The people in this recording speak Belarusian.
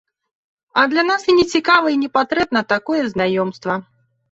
А для нас і не цікава і не патрэбна такое знаёмства.